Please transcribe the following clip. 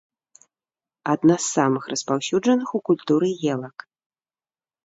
Адна з самых распаўсюджаных у культуры елак.